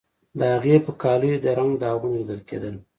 د هغې په کالیو د رنګ داغونه لیدل کیدل